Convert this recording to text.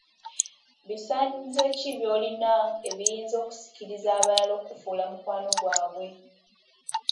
Bisaanyizo ki by'olina ebiyinza okusikiriza abalala okukufuula mukwano gwabwe?